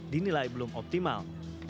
dinilai belum optimal